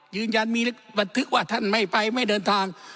ยืนยันมีบันทึกว่าท่านไม่ไปไม่เดินทาง